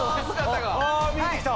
あ見えてきた。